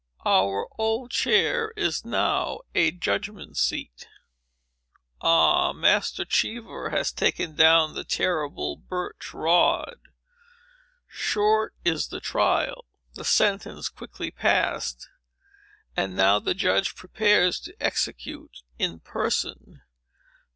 Our old chair is now a judgment seat. Ah, Master Cheever has taken down that terrible birch rod! Short is the trial—the sentence quickly passed—and now the judge prepares to execute it in person.